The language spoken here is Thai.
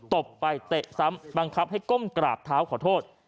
ตบไปเตะซ้ำบังคับให้ก้มกราบเท้าขอโทษ